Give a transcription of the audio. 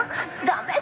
ダメ！